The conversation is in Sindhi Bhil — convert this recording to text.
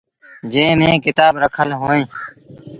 جݩهݩ ميݩ ڪتآب رکل اوهيݩ۔